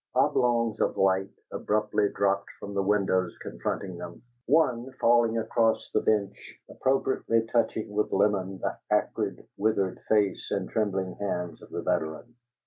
Oblongs of light abruptly dropped from the windows confronting them, one, falling across the bench, appropriately touching with lemon the acrid, withered face and trembling hands of the veteran.